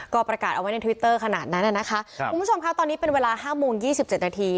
ก็ประกาศเอาไว้ในทวิตเตอร์ขนาดนั้นนะคะครับคุณผู้ชมคะตอนนี้เป็นเวลา๕โมง๒๗นาที